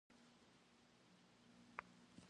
Mejjid bibliotêkam txılh khı'ixri yêcaş.